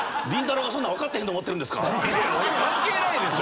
俺関係ないでしょ！